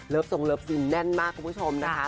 เลิฟสงเลิฟสินแน่นมากคุณผู้ชมนะคะ